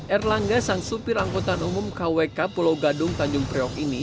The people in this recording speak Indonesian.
erlangga sang supir angkutan umum kwk pulau gadung tanjung priok ini